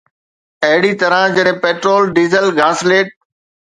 اهڙي طرح جڏهن پيٽرول، ڊيزل، گاسليٽ